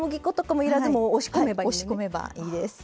はい押し込めばいいです。